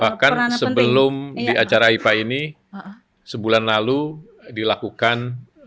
bahkan sebelum di acara aipa ini sebulan lalu dilakukan